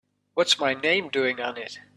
What's my name doing on it?